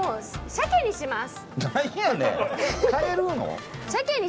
鮭にします。